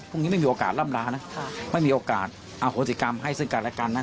พวกนี้ไม่มีโอกาสลำลาลนะ